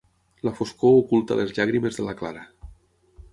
La foscor oculta les llàgrimes de la Clara.